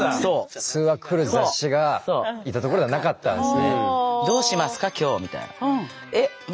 普通は来る雑誌が行った所ではなかったんですね。